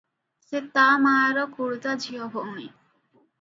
ସେ ତା ମାଆର ଖୁଡୁତା ଝିଅ ଭଉଣୀ ।